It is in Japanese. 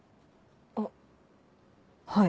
あっはい。